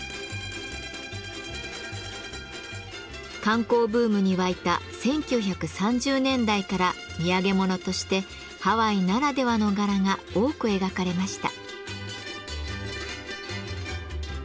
観光ブームに沸いた１９３０年代から土産物としてハワイならではの柄が多く描かれました。